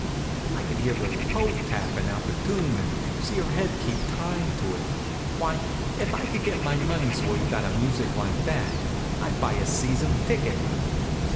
I could hear her toe tappin' out the tune and see her head keep time to it. Why, if I could get my money's worth out of music like that I'd buy a season ticket.